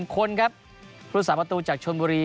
คนครับผู้สาประตูจากชนบุรี